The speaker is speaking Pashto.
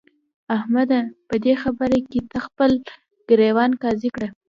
احمده! په دې خبره کې ته خپل ګرېوان قاضي کړه.